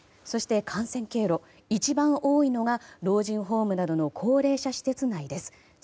そして感染経路一番多いのが老人ホームなどの高齢者施設内です。